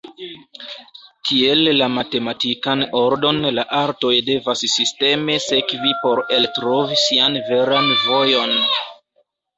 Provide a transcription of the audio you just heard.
Tiel la matematikan ordon la artoj devas sisteme sekvi por eltrovi sian veran vojon.